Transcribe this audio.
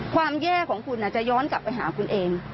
ความแย่ของคุณจะย้อนกลับไปหาคุณเอง